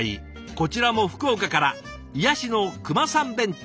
こちらも福岡から「癒やしのクマさん弁当。」。